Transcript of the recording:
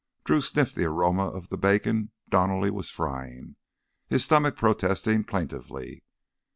Drew sniffed the aroma of the bacon Donally was frying, his stomach protesting plaintively.